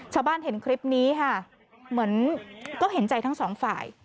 ชาวบ้านเห็นคลิปนี้ค่ะเหมือนก็เห็นใจทั้งสองฝ่าย